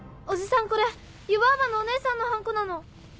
おじさんこれ湯婆婆のお姉さんのハンコなの。